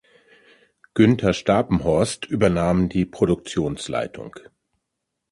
Günther Stapenhorst übernahm die Produktionsleitung.